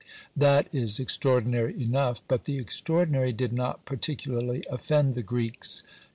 That is extraordinary enough, but the extraordinary did not particularly offend the Greeks.